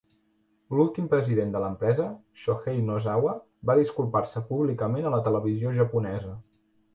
L'últim president de l'empresa, Shohei Nozawa, va disculpar-se públicament a la televisió japonesa.